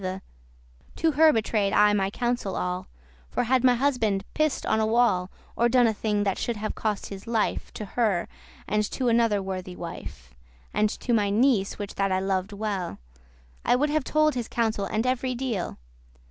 * *thrive To her betrayed I my counsel all; For had my husband pissed on a wall, Or done a thing that should have cost his life, To her, and to another worthy wife, And to my niece, which that I loved well, I would have told his counsel every deal.